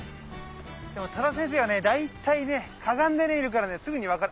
でも多田先生はね大体ねかがんでいるからすぐに分かる。